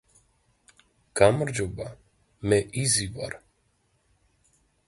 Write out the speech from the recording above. გამარჯობა მე იზი ვარ